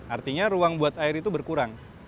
artinya ruang buat air itu berkurang